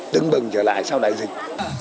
tưng bừng trở lại sau đại dịch